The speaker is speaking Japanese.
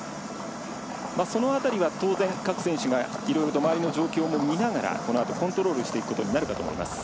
その辺りは当然、各選手がいろいろと周りの状況を見ながら、このあとコントロールしていくことになろうかと思います。